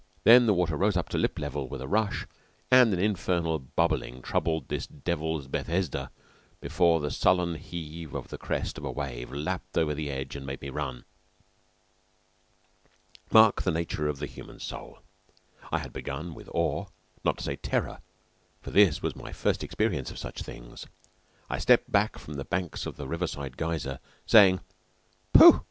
Then the water rose to lip level with a rush, and an infernal bubbling troubled this Devil's Bethesda before the sullen heave of the crest of a wave lapped over the edge and made me run. Mark the nature of the human soul! I had begun with awe, not to say terror, for this was my first experience of such things. I stepped back from the banks of the Riverside Geyser, saying: "Pooh!